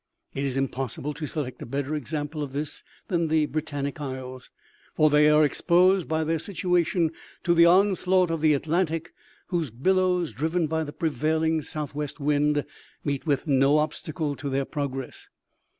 It is impossible to select a better example of this than the Britannic isles ; for they are exposed, by their situation, to the onslaught of the Atlantic, whose billows, driven by the prevailing southwest wind, meet with no obstacle to their progress.